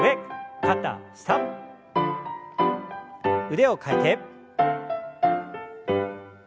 腕を替えて。